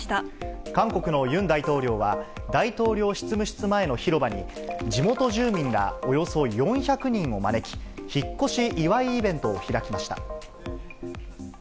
韓国のユン大統領は、大統領執務室前の広場に、地元住民らおよそ４００人を招き、引っ越し祝いイベントを開きました。